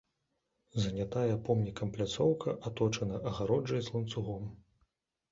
Занятая помнікам пляцоўка аточана агароджай з ланцугом.